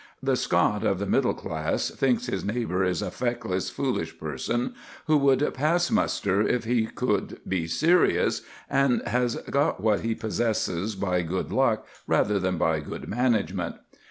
The Scot of the middle class thinks his neighbour is a feckless, foolish person who would pass muster if he could be serious, and who has got what he possesses by good luck rather than by good management.